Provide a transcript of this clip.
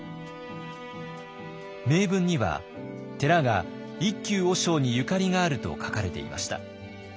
銘文には寺が一休和尚にゆかりがあると書かれていました。